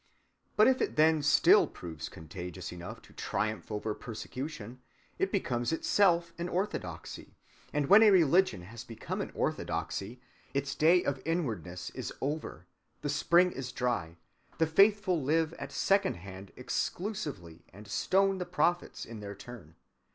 But if it then still prove contagious enough to triumph over persecution, it becomes itself an orthodoxy; and when a religion has become an orthodoxy, its day of inwardness is over: the spring is dry; the faithful live at second hand exclusively and stone the prophets in their turn.